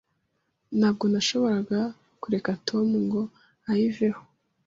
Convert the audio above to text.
Ntabwo nashoboraga kureka Tom ngo ayiveho.